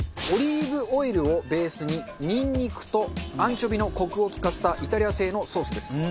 オリーブオイルをベースにニンニクとアンチョビのコクを利かせたイタリア製のソースです。